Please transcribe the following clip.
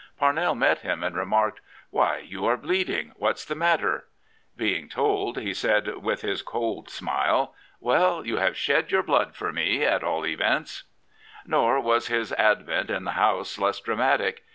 Parnell met him, and remarked, " Why, you are bleeding; what's the matter? " Being told, be said with his cold 107 Prophets, Priests, and Kings smile, '' Well, you have shed your blood for me at all events/' Nor was his advent in the House less dramatic.